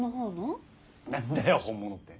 何だよ本物って。